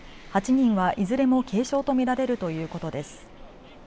８人は、いずれも軽傷とみられるということです。